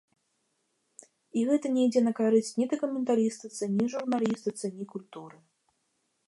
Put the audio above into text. І гэта не ідзе на карысць ні дакументалістыцы, ні журналістыцы, ні культуры.